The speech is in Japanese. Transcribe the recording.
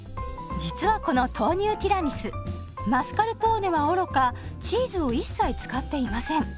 実はこの豆乳ティラミスマスカルポーネはおろかチーズを一切使っていません。